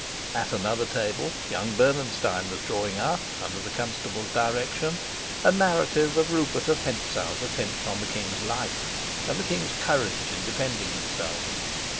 At another table young Bernenstein was drawing up, under the constable's direction, a narrative of Rupert of Hentzau's attempt on the king's life and the king's courage in defending himself.